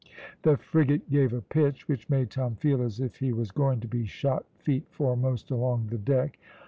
The frigate gave a pitch, which made Tom feel as if he was going to be shot feet foremost along the deck.